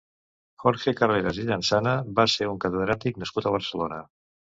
Jorge Carreras i Llansana va ser un catedràtic nascut a Barcelona.